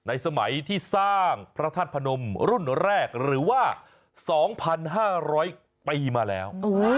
สมัยที่สร้างพระธาตุพนมรุ่นแรกหรือว่า๒๕๐๐ปีมาแล้ว